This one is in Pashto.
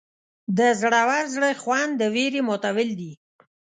د زړور زړه خوند د ویرې ماتول دي.